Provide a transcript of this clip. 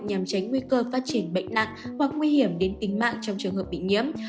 nhằm tránh nguy cơ phát triển bệnh nặng hoặc nguy hiểm đến tính mạng trong trường hợp bị nhiễm